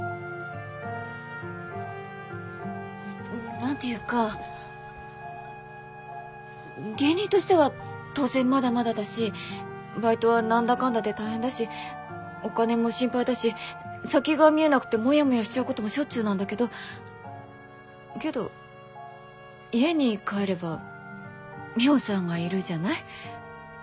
何て言うか芸人としては当然まだまだだしバイトは何だかんだで大変だしお金も心配だし先が見えなくてモヤモヤしちゃうこともしょっちゅうなんだけどけど家に帰ればミホさんがいるじゃない。